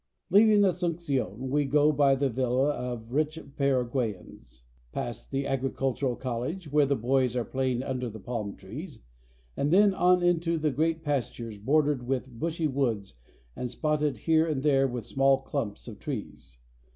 ' Leaving Asuncion, we go by the villas of rich Para guayans, pass the agricultural college, where the boys are playing under the palm trees, and then, on into great pas tures bordered with bushy woods and spotted here and there with small clumps of trees.